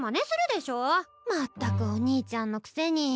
全くお兄ちゃんのくせに。